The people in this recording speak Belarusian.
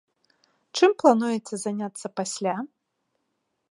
Чым плануеце заняцца пасля?